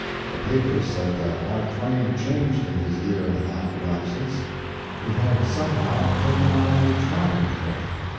The papers said that Mark Twain had changed in his year and a half of absence. He had, somehow, taken on a traveled look.